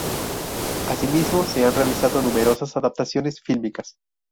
Asimismo, se han realizado numerosas adaptaciones fílmicas.